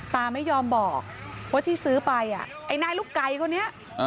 ตาไม่ยอมบอกว่าที่ซื้อไปไอ้นายลูกไก่คนนี้